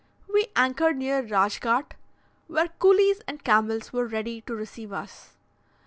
We anchored near Radschgaht, where coolies and camels were ready to receive us.